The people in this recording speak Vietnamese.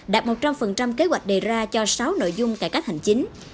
đạt một trăm linh kế hoạch đề ra cho sáu nội dung cải cách hành chính